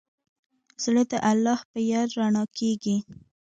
زړه د الله په یاد رڼا کېږي.